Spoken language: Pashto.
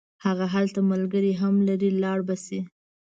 هغه هلته ملګري هم لري لاړ به شي.